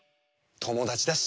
ともだちだし。